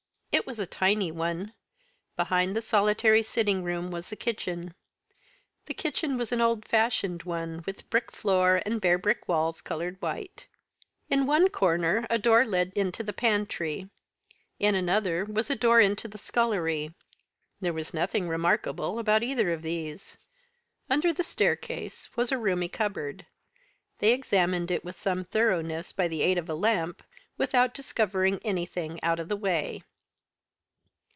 It was a tiny one. Behind the solitary sitting room was the kitchen. The kitchen was an old fashioned one, with brick floor, and bare brick walls coloured white. In one corner a door led into the pantry; in another was a door into the scullery; there was nothing remarkable about either of these. Under the staircase was a roomy cupboard. They examined it with some thoroughness, by the aid of a lamp, without discovering anything out of the way.